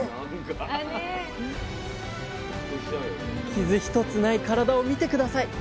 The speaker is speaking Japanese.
傷一つない体を見て下さい。